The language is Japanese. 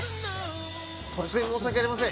突然申し訳ありません。